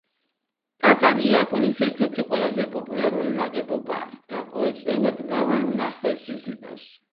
ტაძარი იაპონიის ერთ-ერთი ყველაზე პოპულარული ნაგებობაა და ყოველწლიურად მრავალ მნახველს იზიდავს.